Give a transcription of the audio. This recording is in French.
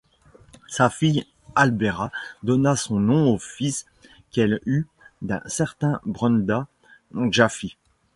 Sa fille Hallbera donna son nom au fils qu'elle eut d'un certain Brunda-Bjalfi.